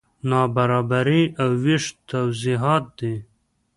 نابرابري او وېش توضیحات دي.